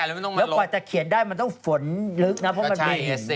แล้วกว่าจะเขียนได้มันต้องฝนลึกนะเพราะมันมีเหตุ